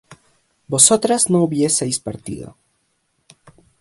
vosotras no hubieseis partido